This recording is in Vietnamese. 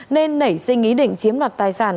nên nảy sinh ý định chiếm loạt tài sản